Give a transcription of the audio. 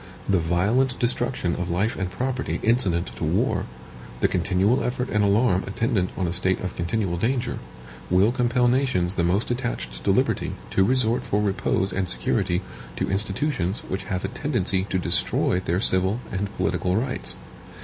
The violent destruction of life and property incident to war, the continual effort and alarm attendant on a state of continual danger, will compel nations the most attached to liberty to resort for repose and security to institutions which have a tendency to destroy their civil and political rights.